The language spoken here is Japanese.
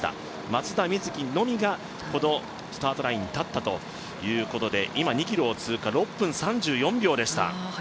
松田瑞生のみが、このスタートラインに立ったということで今、２ｋｍを通過６分３４秒でした。